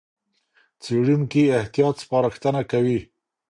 څېړونکي احتیاط سپارښتنه کوي.